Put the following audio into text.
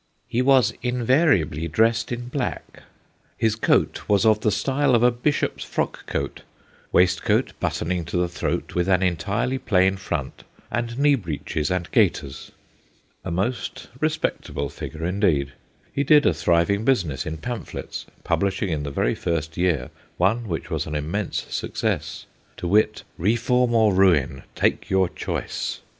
* He was invariably dressed in black. His coat was of the style of a Bishop's frock coat, waistcoat buttoning to the throat with an entirely plain front, and knee breeches and gaiters.' A most respectable figure indeed. He did a thriving business in pamphlets, publishing, in the very first year, one which was an immense success, to wit, Reform or Ruin : Take your Choice